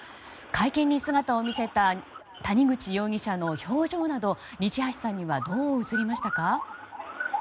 会見に姿を見せた谷口容疑者の表情など西橋さんにはどう映りましたか？